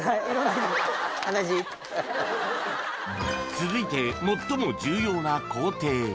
続いて最も重要な工程